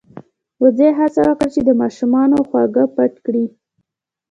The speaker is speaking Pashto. وزې هڅه وکړه چې د ماشومانو خواږه پټ کړي.